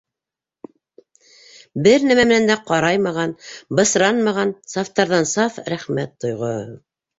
Бер нәмә менән дә ҡараймаған, бысранмаған, сафтарҙан-саф рәхмәт тойғоһо.